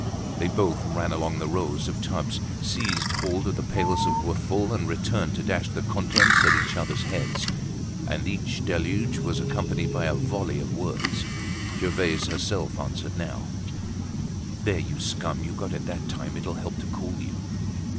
They both ran along the rows of tubs, seized hold of the pails that were full, and returned to dash the contents at each other's heads. And each deluge was accompanied by a volley of words. Gervaise herself answered now: "There, you scum! You got it that time. It'll help to cool you."